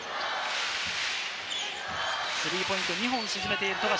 スリーポイントを２本沈めている富樫。